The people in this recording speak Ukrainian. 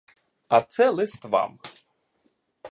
А це лист вам.